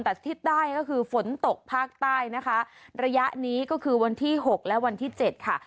แต่ทิศใต้ก็คือฝนตกภาคใต้นะคะระยะนี้ก็คือวันที่หกและวันที่เจ็ดค่ะ